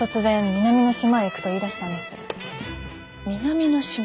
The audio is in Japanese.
南の島？